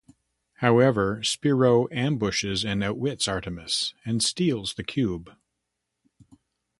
However, Spiro ambushes and outwits Artemis and steals the Cube.